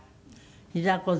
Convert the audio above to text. ひざ小僧。